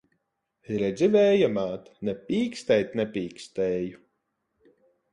Redzi, Vēja māt! Ne pīkstēt nepīkstēju!